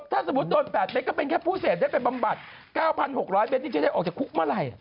ถ้าสมมุติโดน๘เม็ดก็เป็นแค่ผู้เสพได้ไปบำบัด๙๖๐๐เมตรนี่จะได้ออกจากคุกเมื่อไหร่